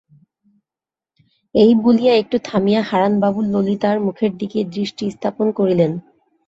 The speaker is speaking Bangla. এই বলিয়া একটু থামিয়া হারানবাবু ললিতার মুখের দিকে দৃষ্টি স্থাপন করিলেন।